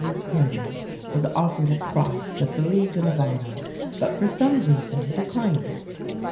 W. Kirwan, was offered a Cross of the Legion of Honor, but for some reason declined it.